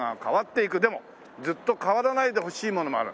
「でもずっと変わらないでほしいものもある」